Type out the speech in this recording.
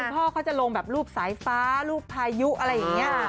พ่อเขาจะลงแบบรูปสายฟ้ารูปพายุอะไรอย่างนี้